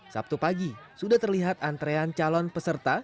sabtu pagi sudah terlihat antrean calon peserta